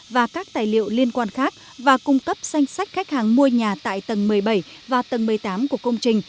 và các tài liệu liên quan khác và cung cấp danh sách khách hàng mua nhà tại tầng một mươi bảy và tầng một mươi tám của công trình